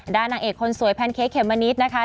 นางเอกคนสวยแพนเค้กเขมมะนิดนะคะ